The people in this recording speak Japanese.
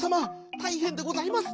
たいへんでございます。